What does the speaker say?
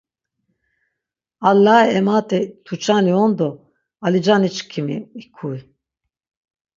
Allae emat̆i tuçani on do Alicanişǩimi, ikuy.